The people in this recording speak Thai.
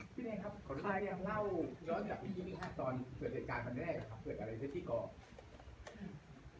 พี่แน่ครับขอรู้สึกอย่างเล่าสำหรับวิธีนี้ครับตอนเกิดเหตุการณ์กันแน่ครับเกิดอะไรขึ้นที่กร